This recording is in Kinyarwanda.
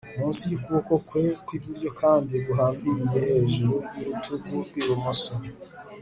munsi y'ukuboko kwe kw'iburyo kandi guhambiriye hejuru y'urutugu rw'ibumoso